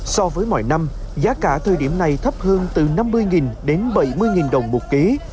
so với mỗi năm giá cả thời điểm này thấp hơn từ năm mươi nghìn đến bảy mươi nghìn đồng một ký